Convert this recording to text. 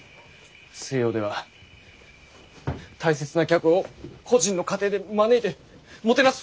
西洋では大切な客を個人の家庭で招いてもてなす風習があるんだ。